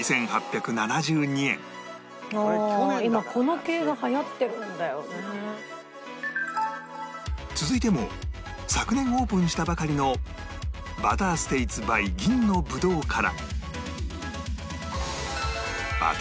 今続いても昨年オープンしたばかりのバターステイツ ｂｙ 銀のぶどうから